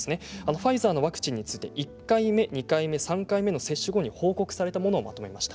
ファイザーのワクチンについて１回目、２回目、３回目の接種後に報告されたものです。